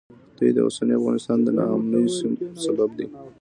دوی د اوسني افغانستان د ناامنیو سبب دي